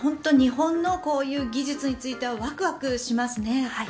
日本のこういう技術についてはワクワクしますね。